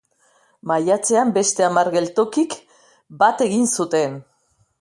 Maiatzean beste hamar geltokik bat egin zuten.